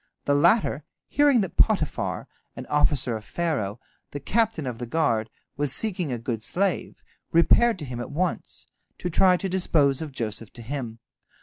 The latter, hearing that Potiphar, an officer of Pharaoh, the captain of the guard, was seeking a good slave, repaired to him at once, to try to dispose of Joseph to him.